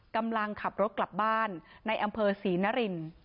กำลังขับรถกลับบ้านในอำเภอศรีนริน